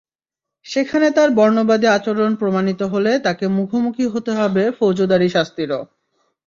সেখানে তাঁর বর্ণবাদী আচরণ প্রমাণিত হলে তাঁকে মুখোমুখি হতে হবে ফৌজদারি শাস্তিরও।